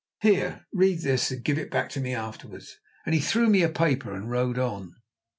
Here, read this, and give it back to me afterwards"; and he threw me a paper and rode on.